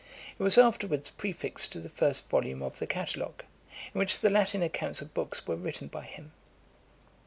It was afterwards prefixed to the first volume of the Catalogue, in which the Latin accounts of books were written by him.